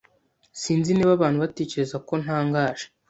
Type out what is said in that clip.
Sinzi niba abantu batekereza ko ntangaje.